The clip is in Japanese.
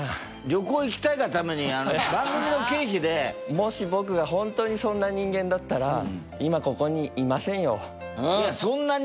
旅行行きたいがために番組の経費でもし僕がホントにそんな人間だったら今ここにいませんよ